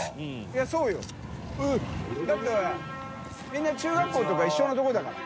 みんな中学校とか一緒のところだから。